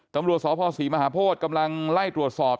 ตำรวจสพศรีมหาโพธิกำลังไล่ตรวจสอบ